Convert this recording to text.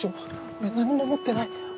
俺何も持ってない。